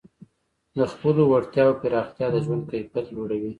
د خپلو وړتیاوو پراختیا د ژوند کیفیت لوړوي.